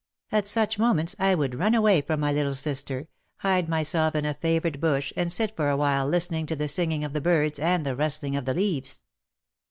At such moments I would run away from my little sister, hide myself in a favourite bush and sit for a while listening to the singing of the birds and the rustling of the leaves.